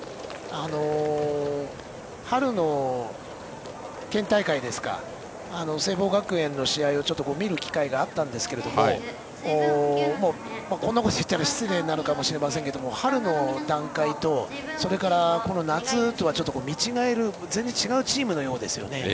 春の県大会ですか聖望学園の試合を見る機会があったんですけどこんなこと言ったら失礼になるかもしれませんが春の段階と、この夏とはちょっと見違える全然違うチームのようでしたね。